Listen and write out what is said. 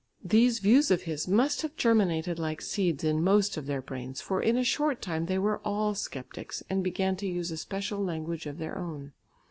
These views of his must have germinated like seeds in most of their brains, for in a short time they were all sceptics, and began to use a special language of their own.